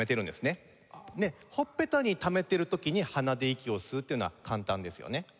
ほっぺたにためてる時に鼻で息を吸うというのは簡単ですよね。